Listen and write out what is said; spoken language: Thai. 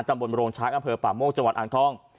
ตำบลโรงชาติอำเภอป่าโมกจังหวัดอังท่อง